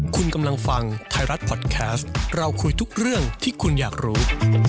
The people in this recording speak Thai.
คุณกำลังฟังไทยรัฐพอดแคสต์เราคุยทุกเรื่องที่คุณอยากรู้